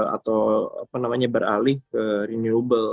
atau apa namanya beralih ke renewable